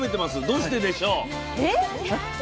どうしてでしょう？